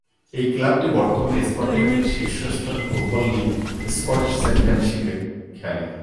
এই ক্লাবটি বর্তমানে স্কটল্যান্ডের শীর্ষ স্তরের ফুটবল লীগ স্কটিশ চ্যাম্পিয়নশিপে খেলে।